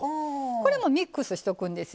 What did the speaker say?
これもミックスしておくんです。